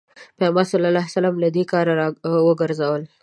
پيغمبر ص له دې کاره راوګرځول.